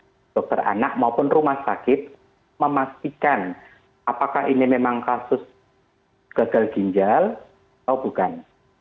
untuk dokter anak maupun rumah sakit memastikan apakah ini memang kasus gagal ginjal atau bukan